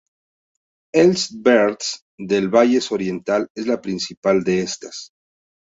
Els Verds del Valles Oriental es la principal de estas.